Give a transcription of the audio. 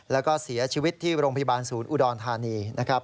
แล้วก็เสียชีวิตที่โรงพยาบาลศูนย์อุดรธานีนะครับ